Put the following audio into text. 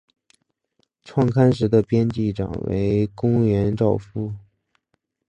创刊时的编辑长为宫原照夫。